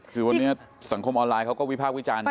คือวันนี้สังคมออนไลน์เขาก็วิพากษ์วิจารณ์นะ